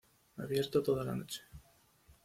Abierto toda la noche.